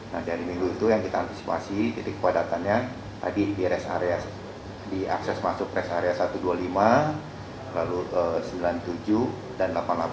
nah dari minggu itu yang kita antisipasi titik kepadatannya tadi di akses masuk rest area satu ratus dua puluh lima lalu sembilan puluh tujuh dan delapan puluh delapan